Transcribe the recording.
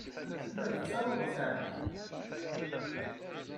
Telliḍ tettaruḍ-as i ɛemmi-k.